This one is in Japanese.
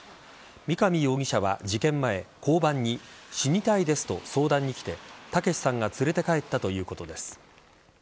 三上容疑者は事件前交番に死にたいですと相談に来て剛さんが連れて帰ったということです。